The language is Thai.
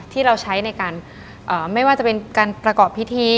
ที่เราใช้ในการไม่ว่าจะเป็นการประกอบพิธี